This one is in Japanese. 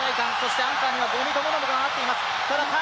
そしてアンカーには五味智信が待っています。